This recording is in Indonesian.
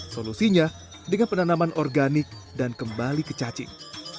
solusinya dengan penanaman organik dan kembali ke cacing